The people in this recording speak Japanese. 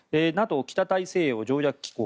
ＮＡＴＯ・北大西洋条約機構